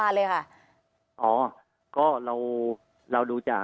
ไม่เอาของเทศบาลเลยค่ะ